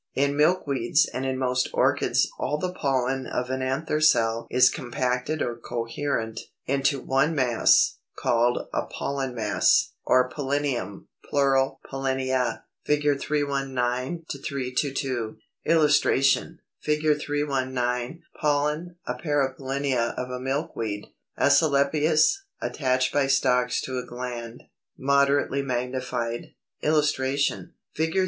In Milkweeds and in most Orchids all the pollen of an anther cell is compacted or coherent into one mass, called a Pollen mass, or POLLINIUM, plural POLLINIA. (Fig. 319 322.) [Illustration: Fig. 319. Pollen, a pair of pollinia of a Milkweed, Asclepias, attached by stalks to a gland; moderately magnified.] [Illustration: Fig.